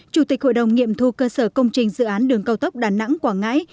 chủ tịch hội đồng nghiệm thu cơ sở công trình dự án đường cao tốc đà nẵng quảng ngãi